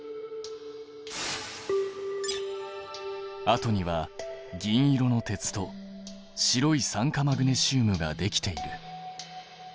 あとには銀色の鉄と白い酸化マグネシウムができている。